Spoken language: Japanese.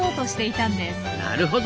なるほど。